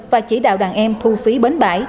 và chỉ đạo đàn em thu phí bến bãi